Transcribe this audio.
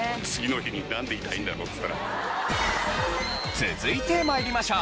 続いて参りましょう。